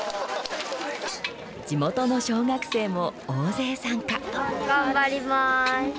地元の小学生も大勢参加。